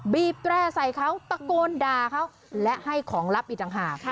บีบแร่ใส่เขาตะโกนด่าเขาและให้ของลับอีกต่างหาก